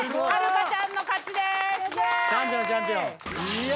いや！